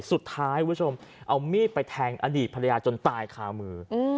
คุณผู้ชมเอามีดไปแทงอดีตภรรยาจนตายคามือ